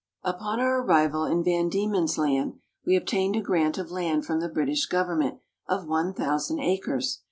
Upon our arrival in Van Diemen's Land, we obtained a grant of land from the British government of 1,000 acres.